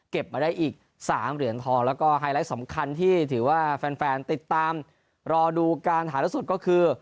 มาได้อีก๓เหรียญทองแล้วก็ไฮไลท์สำคัญที่ถือว่าแฟนติดตามรอดูการถ่ายละสดก็คือ